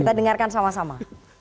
kita dengarkan sama sama